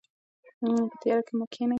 په تیاره کې مه کښینئ.